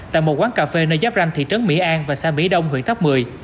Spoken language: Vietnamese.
tại một quán cà phê nơi giáp ranh thị trấn mỹ an và xa mỹ đông huyện tháp mười